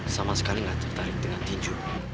sama sekali tidak tertarik dengan tinju